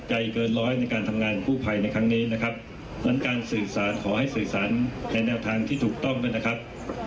ไกลเกินร้อยในการทำงานกู้ภัยในครั้งนี้นะครับฉะนั้นการสื่อสารขอให้สื่อสารในแนวทางที่ถูกต้องด้วยนะครับ